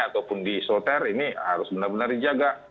ataupun di isoter ini harus benar benar dijaga